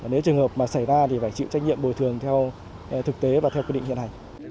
nếu trường hợp mà xảy ra thì phải chịu trách nhiệm bồi thường theo thực tế và theo quy định hiện hành